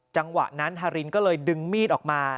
จังหวะนั้นทารินก็เลยดึงมีดออกมา